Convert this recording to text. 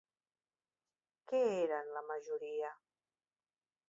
Què eren la majoria?